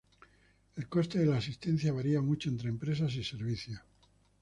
El coste de la asistencia varia mucho entre empresas y servicios.